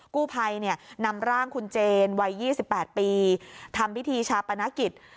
กู้ภัยนำร่างคุณเจนวัย๒๘ปีทำพิธีชาปนกิจ